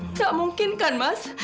nggak mungkin kan mas